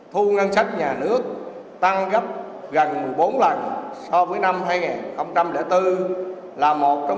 thu ngân sách nhà nước tăng gấp gần một mươi bốn lần so với năm hai nghìn bốn